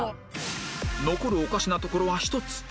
残るおかしなところは１つ